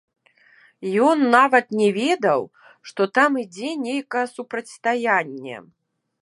Ён нават не ведаў, што там ідзе нейкае супрацьстаянне.